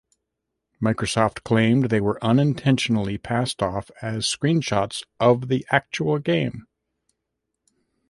Microsoft claimed they were unintentionally passed off as screenshots of the actual game.